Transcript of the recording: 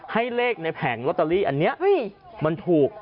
ให้เลขในแผงลอตเตอรี่อันนี้มันถูก